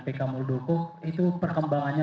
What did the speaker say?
pk muldoko itu perkembangannya